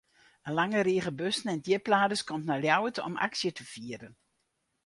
In lange rige bussen en djipladers komt nei Ljouwert om aksje te fieren.